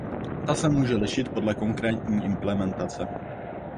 Ta se může lišit podle konkrétní implementace.